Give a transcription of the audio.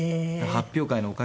発表会のおかげで。